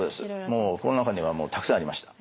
もう心の中にはたくさんありました。